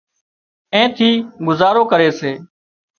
اين ٿي گذارو ڪري سي